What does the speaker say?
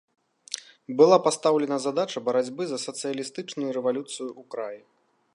Была пастаўлена задача барацьбы за сацыялістычную рэвалюцыю ў краі.